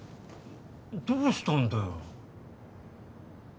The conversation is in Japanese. どうしたんだよ？